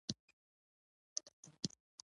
کله چې یې رخصتوم، اندېښنه لرم چې حادثه ونه کړي.